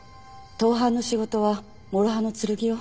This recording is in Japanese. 盗犯の仕事は諸刃の剣よ。